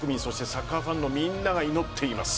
サッカーファンのみんなが祈っています。